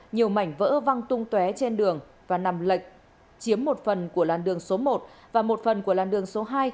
nhiều mảnh vỡ văng tung té trên đường và nằm lệch chiếm một phần của làn đường số một và một phần của làn đường số hai